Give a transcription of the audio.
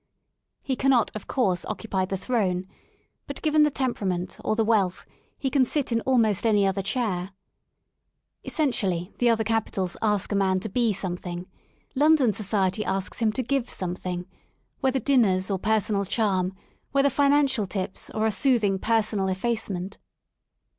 /I He cannot, of course, occupy the throne but, given the tj temperament or the wealth he can sit in almost any j* other chair. Essentially, the other capitals ask a man /.•' to be something; London society asks him to give some i\ thing — ^whether dinners or personal charm, whether financial tips or a soothing personal eflfacement.